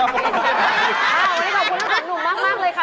วันนี้ขอบคุณต่อจากหนูมากเลยค่ะ